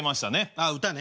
あっ歌ね。